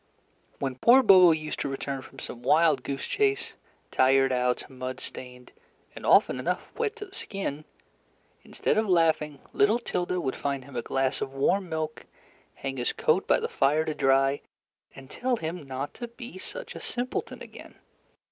When poor Bobo used to return from some wild goose chase, tired out, mud stained, and often enough wet to the skin, instead of laughing, little Tilda would find him a glass of warm milk, hang his coat by the fire to dry, and tell him not to be such a simpleton again.